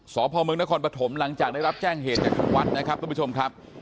สพมนครปฐมหลังจากได้รับแจ้งเหตุจากทางวัดนะครับทุกผู้ชมครับ